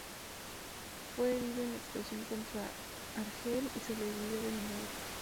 Fue herido en la expedición contra Argel y sobrevivió de milagro.